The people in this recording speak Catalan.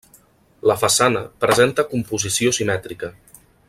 La façana presenta composició simètrica.